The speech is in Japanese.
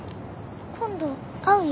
今度会うよ。